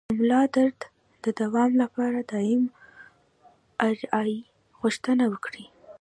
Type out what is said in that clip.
د ملا درد د دوام لپاره د ایم آر آی غوښتنه وکړئ